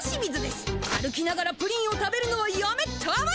歩きながらプリンを食べるのはやめたまえ！